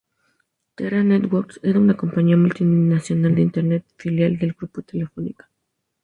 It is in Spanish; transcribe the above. Terra Networks era una compañía multinacional de Internet, filial del grupo Telefónica.